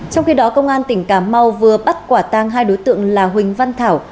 trong khi đó công an tỉnh cà mau vừa bắt quả tang hai đối tượng là huỳnh văn thảo